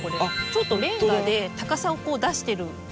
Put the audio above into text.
ちょっとレンガで高さを出してるんですね。